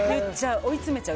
追い詰めちゃう。